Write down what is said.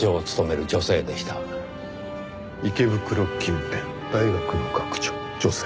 池袋近辺大学の学長女性。